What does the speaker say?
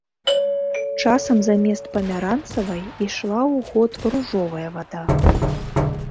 Часам замест памяранцавай ішла ў ход ружовая вада.